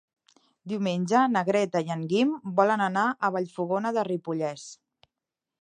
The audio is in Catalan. Diumenge na Greta i en Guim volen anar a Vallfogona de Ripollès.